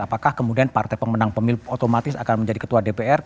apakah kemudian partai pemenang pemilu otomatis akan menjadi ketua dpr